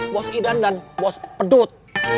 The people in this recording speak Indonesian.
bos idan dan bos pedut